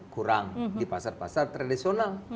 kurang di pasar pasar tradisional